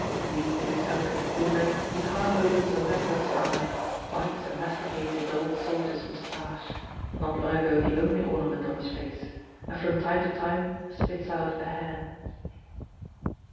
Deeply sunk in a corner, he half opens a lack luster eye, bites and masticates his old soldier's mustache not long ago the only ornament on his face and from time to time spits out a hair.